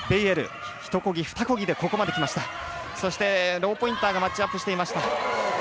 ローポインターがマッチアップしていました。